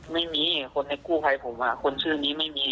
ไม่มีคนในกู้ภัยผมคนชื่อนี้ไม่มี